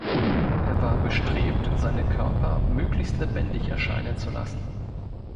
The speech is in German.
Er war bestrebt, seine Körper möglichst lebendig erscheinen zu lassen.